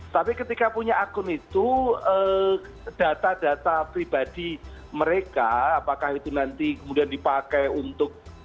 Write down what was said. tapi ketika punya akun itu data data pribadi mereka apakah itu nanti kemudian dipakai untuk